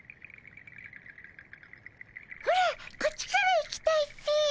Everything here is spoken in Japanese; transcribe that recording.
オラこっちから行きたいっピィ。